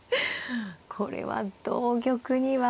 これは同玉には。